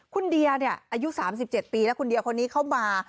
คุณเดียเนี่ยอายุสามสิบเจ็ดปีแล้วคุณเดียคนนี้เข้ามา